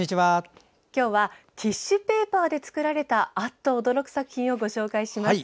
今日はティッシュペーパーで作られたあっと驚く作品をご紹介します。